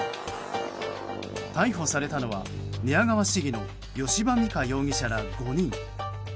逮捕されたのは寝屋川市議の吉羽美華容疑者ら５人。